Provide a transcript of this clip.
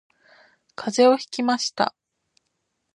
風邪をひきました